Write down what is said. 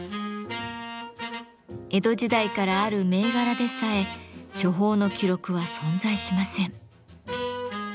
江戸時代からある銘柄でさえ処方の記録は存在しません。